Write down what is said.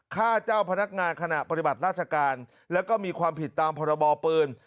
เจ้าพนักงานขณะปฏิบัติราชการแล้วก็มีความผิดตามพรบปืน